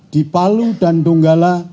di palu dan donggala